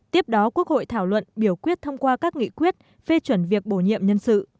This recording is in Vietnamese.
tiếp đó quốc hội thảo luận biểu quyết thông qua các nghị quyết phê chuẩn việc bổ nhiệm nhân sự